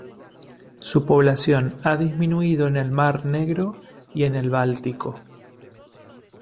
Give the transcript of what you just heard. Su población ha disminuido en el Mar Negro y el Báltico.